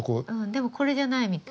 でもこれじゃないみたい。